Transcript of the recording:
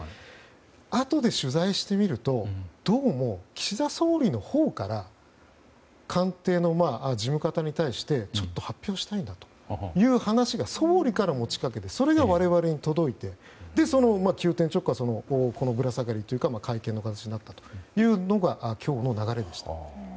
あとで取材してみるとどうも岸田総理のほうから官邸の事務方に対して、ちょっと発表したいんだという話が総理から持ち掛けてそれが我々に届いて急転直下このぶら下がりというか会見の形になったというのが今日の流れでした。